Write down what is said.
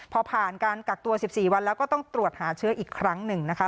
พอผ่านการกักตัว๑๔วันแล้วก็ต้องตรวจหาเชื้ออีกครั้งหนึ่งนะคะ